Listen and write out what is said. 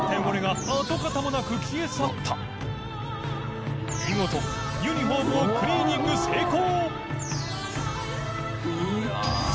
跡形もなく消え去った禪ユニホームをクリーニング成功！